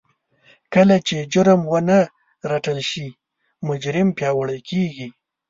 کله چې جرم ونه رټل شي مجرم پياوړی کېږي.